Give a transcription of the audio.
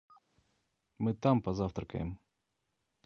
Мы там позавтракаем.